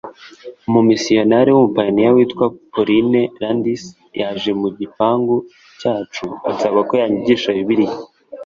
umumisiyonari w’umuhamya witwa pauline landis yaje mu gipangu cyacu ansaba ko yanyigisha bibiliya